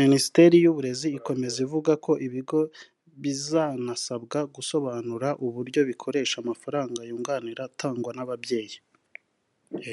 Minisiteri y’uburezi ikomeza ivuga ko ibigo bizanasabwa gusobanura uburyo bikoresha amafaranga yunganira atangwa n’ababyeyi